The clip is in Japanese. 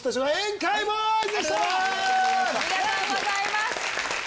ありがとうございます。